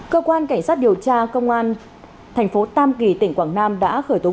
cơ quan cảnh sát điều tra công an thành phố tam kỳ tỉnh quảng nam đã khởi tố